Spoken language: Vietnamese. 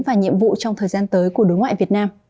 và nhiệm vụ trong thời gian tới của đối ngoại việt nam